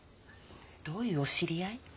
どういうお知り合い？